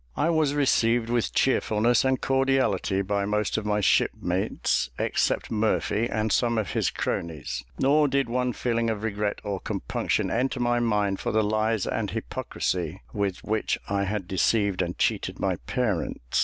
I was received with cheerfulness and cordiality by most of my shipmates, except Murphy and some of his cronies; nor did one feeling of regret or compunction enter my mind for the lies and hypocrisy with which I had deceived and cheated my parents.